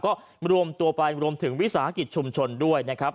ก็รวมตัวไปรวมถึงวิสาหกิจชุมชนด้วยนะครับ